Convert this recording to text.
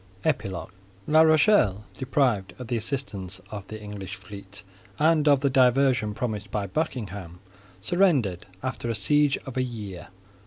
EPILOGUE La Rochelle, deprived of the assistance of the English fleet and of the diversion promised by Buckingham, surrendered after a siege of a year.